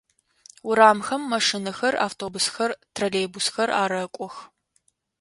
Урамхэм машинэхэр, автобусхэр, троллейбусхэр арэкӏох.